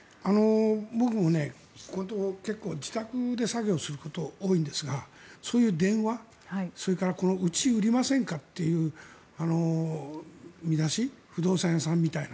僕もここのところ結構自宅で作業すること多いんですがそういう電話、それからうちを売りませんかという見出し不動産屋さんみたいな。